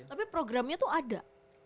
tapi programnya tuh ada